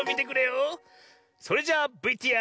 それじゃあＶＴＲ。